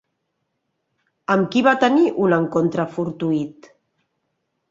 Amb qui va tenir un encontre fortuït?